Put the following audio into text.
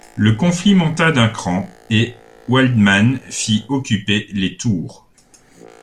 Le conflit monta d'un cran et Waldmann fit occuper les tours.